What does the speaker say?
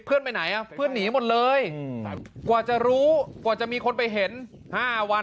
ไปไหนอ่ะเพื่อนหนีหมดเลยกว่าจะรู้กว่าจะมีคนไปเห็น๕วัน